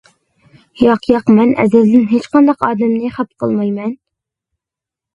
-ياق، ياق، مەن ئەزەلدىن ھېچقانداق ئادەمنى خاپا قىلمايمەن.